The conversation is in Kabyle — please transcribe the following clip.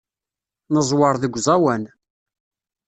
Neẓwer deg uẓawan.